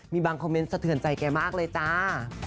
มีบางคอมเมนต์สะเทือนใจแกมากเลยจ้า